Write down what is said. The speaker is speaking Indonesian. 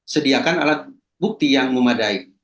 sediakan alat bukti yang memadai